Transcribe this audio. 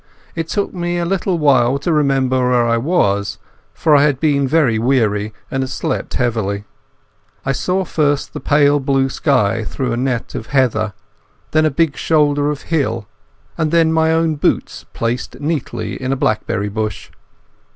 It took me a little while to remember where I was, for I had been very weary and had slept heavily. I saw first the pale blue sky through a net of heather, then a big shoulder of hill, and then my own boots placed neatly in a blaeberry bush.